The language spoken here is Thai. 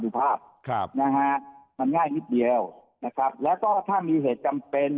สุภาพครับนะฮะมันง่ายนิดเดียวนะครับแล้วก็ถ้ามีเหตุจำเป็น